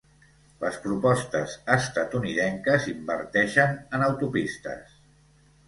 Les propostes estatunidenques inverteixen en autopistes.